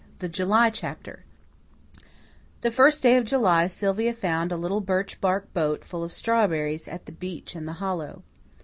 The July Chapter The first day of July Sylvia found a little birch bark boat full of strawberries at the beech in the hollow.